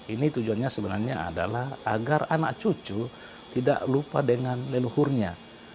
ini tujuannya sebenarnya adalah agar anak cucu tidak lupa dengan leluhurnya